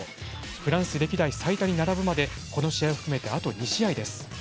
フランス歴代最多に並ぶまでこの試合を含めてあと２試合です。